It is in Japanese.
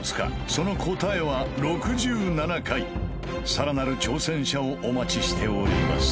その答えはさらなる挑戦者をお待ちしております